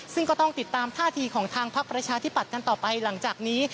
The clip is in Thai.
ซึ่งก็ต้องติดตามท่าทีของทางพักประชาธิปัตย์กันต่อไปหลังจากนี้